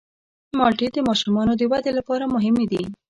مالټې د ماشومانو د ودې لپاره مهمې دي.